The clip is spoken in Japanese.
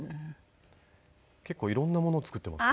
結構色んなもの作っていますね。